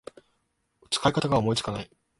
使い方が思いつかない